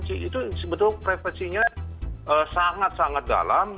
itu betul privacinya sangat sangat dalam